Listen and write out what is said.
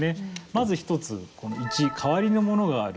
まず１つ、この１代わりのものがある。